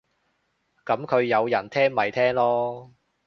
噉佢有人聽咪聽囉